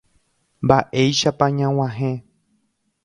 Mba'éicha ñag̃uahẽ.